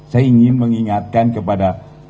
saya ingin mengingatkan kepada